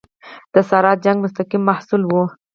د ساړه جنګ مستقیم محصول وو.